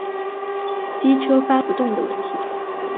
机车发不动的问题